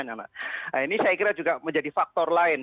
nah ini saya kira juga menjadi faktor lain